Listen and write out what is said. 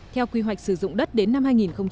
theo quy hoạch sử dụng đất đến năm hai nghìn ba mươi